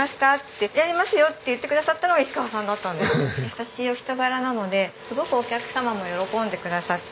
優しいお人柄なのですごくお客様も喜んでくださって。